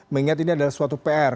mengingat ini adalah suatu pr